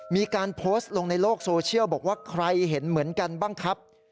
มีการโพสต์ลงในโลกโซเชียลบอกว่าใครเห็นเหมือนกันบ้างครับ